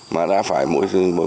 mà đã phải mỗi khẩu đã ba triệu rồi